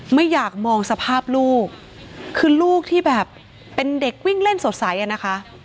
ไม่อยากมองสภาพลูกคือลูกที่แบบเป็นเด็กวิ่งเล่นสดใสอ่ะนะคะ